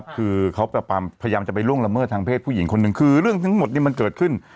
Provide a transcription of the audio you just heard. คือเขาพยายามจะไปล่วงละเมิดทางเพศผู้หญิงคนหนึ่งคือเรื่องทั้งหมดนี้มันเกิดขึ้น